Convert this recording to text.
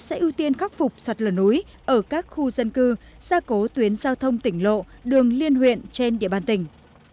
sẽ ưu tiên khắc phục sặt lờ núi ở các khu dân cư xa cố tuyến giao thông tỉnh lộ đường liên huyện trên địa bàn tỉnh